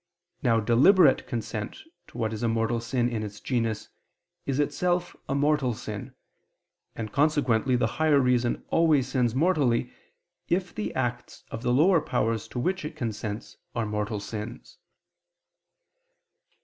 Now deliberate consent to what is a mortal sin in its genus, is itself a mortal sin; and consequently the higher reason always sins mortally, if the acts of the lower powers to which it consents are mortal sins.